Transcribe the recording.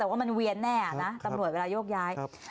แต่ว่ามันเวียนแน่นะตำรวจเวลาโยกย้าย